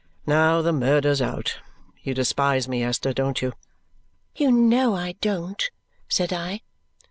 Now the murder's out; you despise me, Esther, don't you?" "You know I don't," said I.